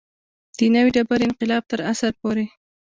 د نوې ډبرې انقلاب تر عصر پورې.